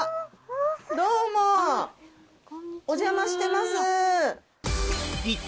どうもお邪魔してます。